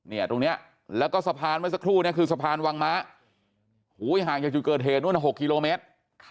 เนี่ยตรงนี้แล้วก็สะพานละสกุลสะพานวังม้าหูยห่างจุดเกิดเหตุ๖กิโลเมตร